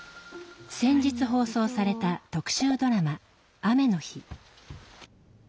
先日放送された特集ドラマ「雨の日」。